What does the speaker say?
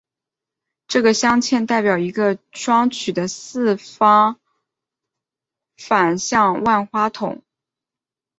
这个镶嵌代表一个双曲的四次反射万花筒。